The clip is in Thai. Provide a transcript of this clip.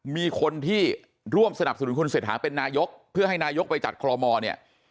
มีคนที่ร่วมสนับสนุนคุณเศรษฐาเป็นนายกเพื่อให้นายกไปจัดคอลโมเนี่ย